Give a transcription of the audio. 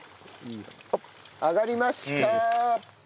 揚がりました！